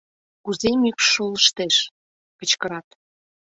— Кузе мӱкш шолыштеш? — кычкырат.